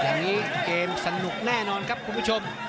อย่างนี้เกมสนุกแน่นอนครับคุณผู้ชม